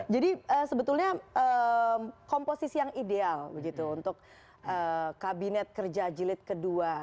jadi sebetulnya komposisi yang ideal begitu untuk kabinet kerja jilid ii